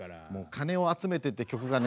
「金をあつめて」って曲がね